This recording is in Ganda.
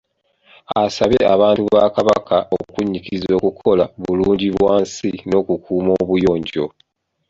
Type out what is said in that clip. Asabye abantu ba Kabaka okunnyikiza okukola Bulungibwansi n'okukuuma obuyonjo.